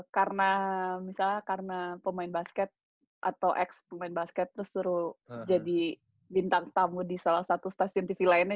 karena misalnya karena pemain basket atau ex pemain basket terus suruh jadi bintang tamu di salah satu stasiun tv lainnya